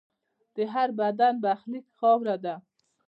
د هر بدن برخلیک خاوره ده.